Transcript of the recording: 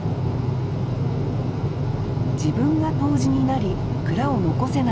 自分が杜氏になり蔵を残せないか。